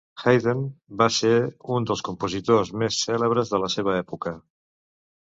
Haydn va ser un dels compositors més cèlebres de la seva època.